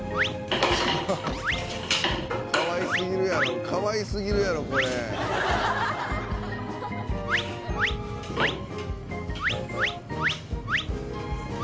かわいすぎるやろかわいすぎるやろこれ！ああかわいい！